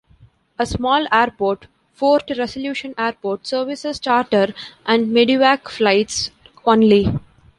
A small airport, Fort Resolution Airport, services charter and medivac flights only.